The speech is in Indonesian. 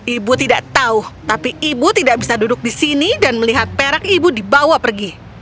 ibu tidak tahu tapi ibu tidak bisa duduk di sini dan melihat perak ibu dibawa pergi